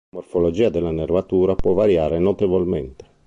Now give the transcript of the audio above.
La morfologia della nervatura può variare notevolmente.